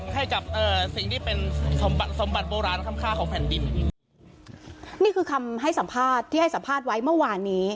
ให้กับเอ่อสิ่งที่เป็นสมบัติสมบัติโบราณค่ำค่าของแผ่นดินนี่คือคำให้สัมภาษณ์ที่ให้สัมภาษณ์ไว้เมื่อวานนี้